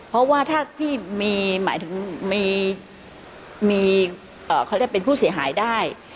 เพราะว่าถ้าพี่มีหมายถึงมีเขาเรียกเป็นผู้เสียหายได้